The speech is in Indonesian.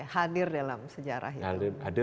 hadir dalam sejarah itu